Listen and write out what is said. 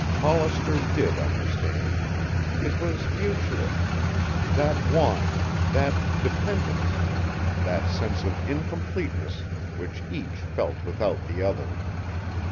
Hollister did understand. It was mutual, that want, that dependence, that sense of incompleteness which each felt without the other.